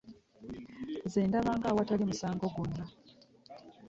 Nze ndaba ng'awatali musango gwonna.